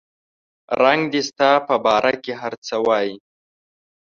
رنګ دې ستا په باره کې هر څه وایي